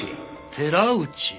「寺内」